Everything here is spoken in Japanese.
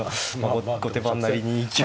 後手番なりに。